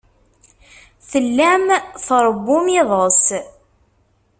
Tellam tṛewwum iḍes.